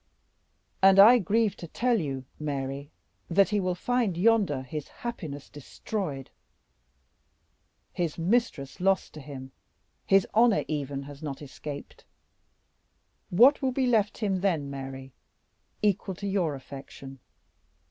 "And I grieve to tell you, Mary, that he will find yonder his happiness destroyed, his mistress lost to him. His honor even has not escaped. What will be left him, then, Mary, equal to your affection?